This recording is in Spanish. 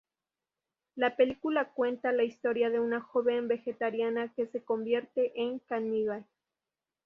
La película cuenta la historia de una joven vegetariana que se convierte en caníbal.